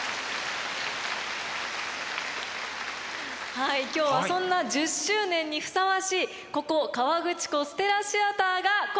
はい今日はそんな１０周年にふさわしいここ河口湖ステラシアターが今回のステージです。